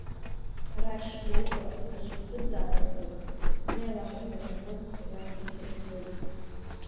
Рашь Лоуба бышихӡыӡаауа збоит, дзеилаҳаз акомпотҵәҟьа избырхиоит.